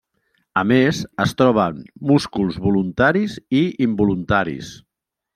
A més, es troben músculs voluntaris i involuntaris.